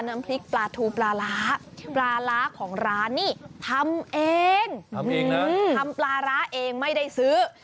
น้ำพริกปลาทูปลาร้าปลาร้าของร้านนี่ทำเองทำเองนะทำปลาร้าเองไม่ได้ซื้อ